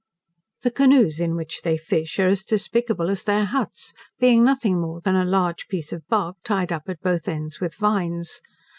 The canoes in which they fish are as despicable as their huts, being nothing more than a large piece of bark tied up at both ends with vines.